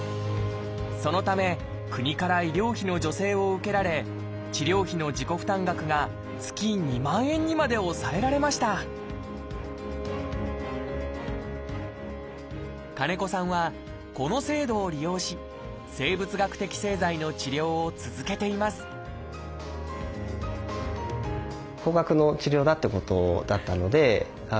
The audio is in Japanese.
そのため国から医療費の助成を受けられ治療費の自己負担額が月２万円にまで抑えられました金子さんはこの制度を利用し生物学的製剤の治療を続けていますうんよかったですね。